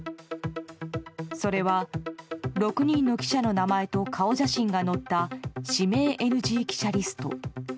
それは、６人の記者の名前と顔写真が載った指名ＮＧ記者リスト。